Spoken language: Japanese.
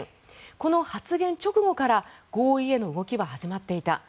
この発言直後から合意への動きは始まっていた。